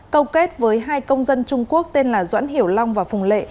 câu kết với hai công dân trung quốc tên là doãn hiểu long và phùng lệ